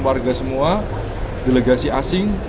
warga semua delegasi asing